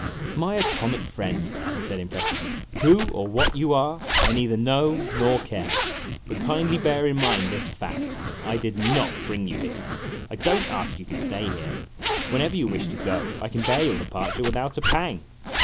"My atomic friend," I said impressively, "who or what you are, I neither know nor care. But kindly bear in mind this fact: I did not bring you here. I don't ask you to stay here ; whenever you wish to go, I can bear your departure without a pang.